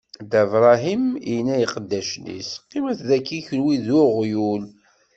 Dda Bṛahim inna i iqeddacen-is: Qqimet dagi kenwi d uɣyul.